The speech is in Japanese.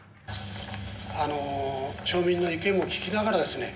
町民の意見も聞きながらですね